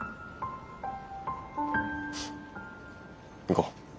行こう。